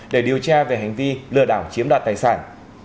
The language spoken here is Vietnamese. để điều tra về hành vi lừa đảo chiếm đoạt tài sản